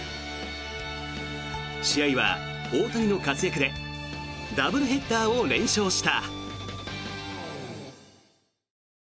試合は大谷の活躍でダブルヘッダーを連勝した。